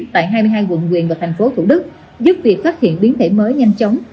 tại hai mươi hai quận quyền và thành phố thủ đức giúp việc phát hiện biến thể mới nhanh chóng